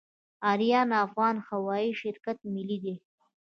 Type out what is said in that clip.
اریانا افغان هوایی شرکت ملي دی